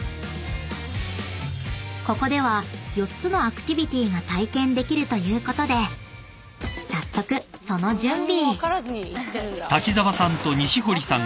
［ここでは４つのアクティビティが体験できるということで早速その準備］